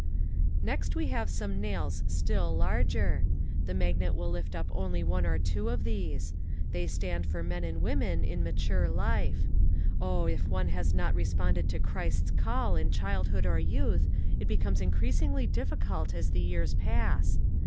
Next we have some nails still larger. The magnet will lift up only one or two of these. They stand for men and women in mature life. Oh, if one has not responded to Christ's call in childhood or youth, it becomes increasingly difficult as the years pass.